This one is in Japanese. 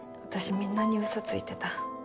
私みんなに嘘ついてた。